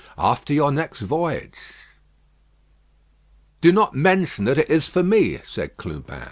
"After your next voyage." "Do not mention that it is for me," said Clubin.